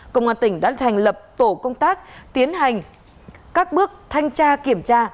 công an tỉnh đã thành lập tổ công tác tiến hành các bước thanh tra kiểm tra